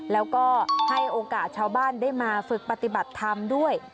แล้วก็ให้โอกาสชาวบ้านได้มาฝึกปฏิบัติธรรมด้วย